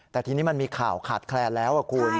แต่ทีนี้มันมีข่าวขาดแคลนแล้วคุณ